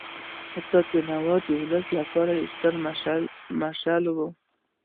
استاد بینوا د ولس لپاره یو ستر مشعل و.